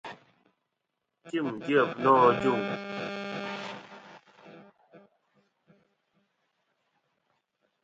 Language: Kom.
Tim dyef nô ajuŋ.